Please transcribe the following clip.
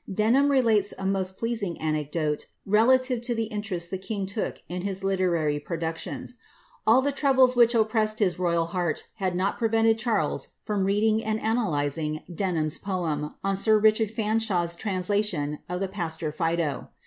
Denham relates a most pleasing anecdote relative to the interest the king took in his literary productions. All the troubles which oppressed his iDjal heart had not prevented Charles from reading and analysing Den Wm's poem on sir Richard Fanshaw's translation of the Pastor Fido.